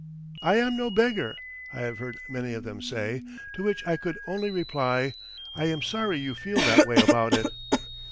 "I am no beggar," I have heard many of them say, to which I could only reply: "I am sorry you feel that way about it."